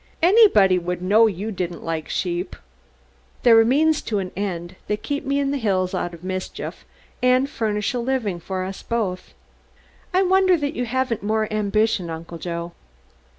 "Anybody would know you didn't like sheep." "They're a means to an end; they keep me in the hills out of mischief and furnish a living for us both." "I wonder that you haven't more ambition, Uncle Joe."